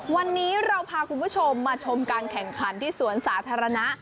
วันนี้เราพาคุณผู้ชมมาชมการแข่งขันที่สวนสาธารณะ